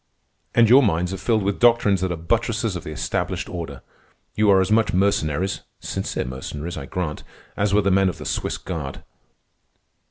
"And your minds are filled with doctrines that are buttresses of the established order. You are as much mercenaries (sincere mercenaries, I grant) as were the men of the Swiss Guard.